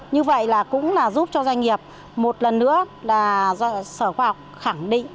như vậy là cũng là giúp cho doanh nghiệp một lần nữa là sở khoa học khẳng định